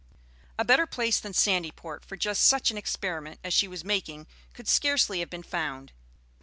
A better place than Sandyport for just such an experiment as she was making could scarcely have been found.